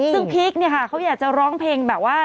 ซึ่งพีคเนี่ยค่ะเขาอยากจะร้องเพลงแบบว่า